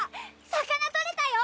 魚とれたよ！